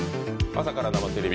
「朝から生テレビ！」